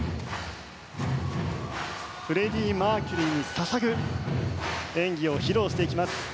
フレディ・マーキュリーに捧ぐ演技を披露していきます。